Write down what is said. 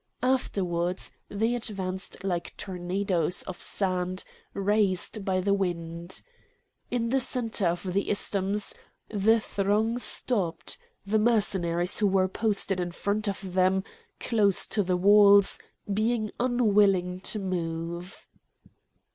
Afterwards they advanced like tornadoes of sand raised by the wind. In the centre of the isthmus the throng stopped, the Mercenaries who were posted in front of them, close to the walls, being unwilling to move.